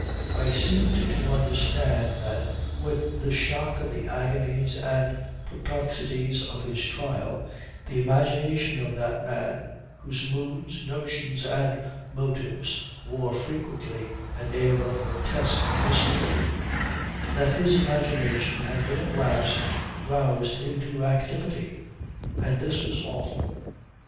I seemed to understand that, with the shock of the agonies and perplexities of his trial, the imagination of that man, whose moods, notions and motives wore frequently an air of grotesque mystery that his imagination had been at last roused into activity. And this was awful.